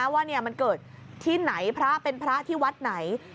ว่ามันเกิดที่ไหนพระเป็นพระที่วัดไหน